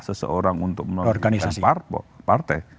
seseorang untuk melanjutkan partai